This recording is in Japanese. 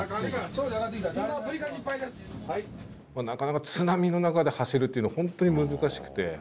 なかなか津波の中で走るっていうの本当に難しくて。